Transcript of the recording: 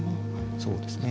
そうですね。